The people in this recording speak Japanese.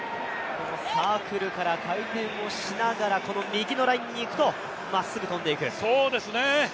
サークルから回転をしながら右のラインにいくとまっすぐ飛んでいく。